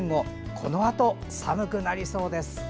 このあと寒くなりそうです。